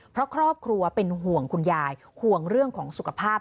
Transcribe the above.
เพราะครอบครัวเป็นห่วงคุณยายห่วงเรื่องของสุขภาพ